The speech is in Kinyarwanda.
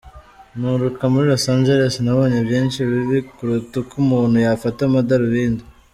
Nturuka muri Los Angeles, nabonye byinshi bibi kuruta uko umuntu yafata amadarubindi.